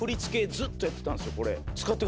ずっとやってたんですよ。